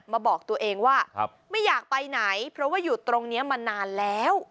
บอกตัวเองว่าไม่อยากไปไหนเพราะว่าอยู่ตรงนี้มานานแล้ว